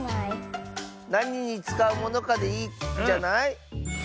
なににつかうものかでいいんじゃない？